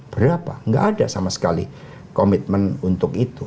berapa nggak ada sama sekali komitmen untuk itu